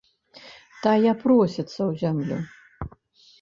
Тая просіцца ў зямлю.